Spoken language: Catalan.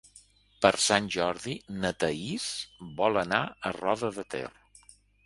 Per Sant Jordi na Thaís vol anar a Roda de Ter.